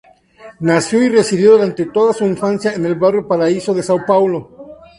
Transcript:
Nació y residió durante toda su infancia en el barrio Paraíso de São Paulo.